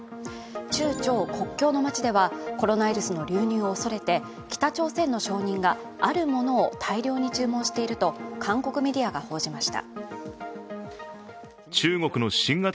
中朝国境の街ではコロナウイルスの流入を恐れて北朝鮮の商人が、あるものを大量に注文していると韓国メディアが報じました。